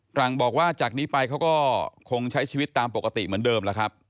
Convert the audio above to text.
หลังบอกว่าจากนี้ไปเขาก็คงใช้ชีวิตตามปกติเหมือนเดิมแล้วครับ